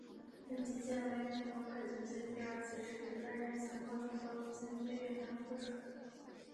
本级舰为美国海军在第二次世界大战前后建造的舰队远洋拖船。